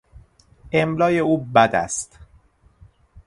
املای او بد است.